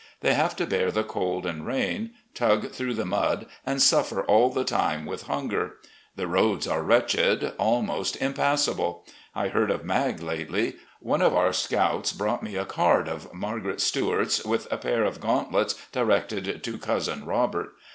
They have to bear the cold and rain, tug through the mud, and suffer all the time with hunger. The roads are wretched, almost impassable. I heard of Mag lately. One of our scouts brought me a card of Margaret Stuart's with a pair of gauntlets directed to 'Cousin Robert.'